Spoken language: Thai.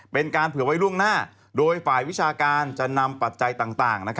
เป็นการเผื่อไว้ล่วงหน้าโดยฝ่ายวิชาการจะนำปัจจัยต่าง